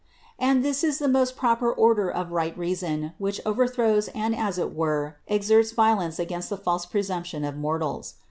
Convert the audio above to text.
And this is the most proper order of right reason which overthrows and as it were exerts violence against THE INCARNATION 195 the false presumption of mortals.